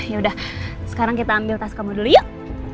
ya udah sekarang kita ambil tas kamu dulu yuk